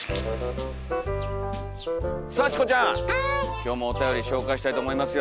今日もおたより紹介したいと思いますよ。